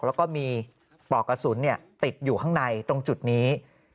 แล้วก็มีปลอกกระสุนติดอยู่ข้างในตรงจุดนี้